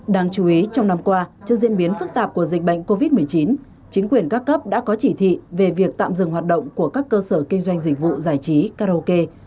đáng chú ý trong năm qua trước diễn biến phức tạp của dịch bệnh covid một mươi chín chính quyền các cấp đã có chỉ thị về việc tạm dừng hoạt động của các cơ sở kinh doanh dịch vụ giải trí karaoke